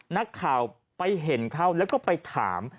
นักข่าวไปเห็นเขาแล้วก็ไปถาม